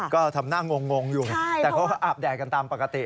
ก็ทำหน้างงอยู่แต่เขาอาบแดดกันตามปกติ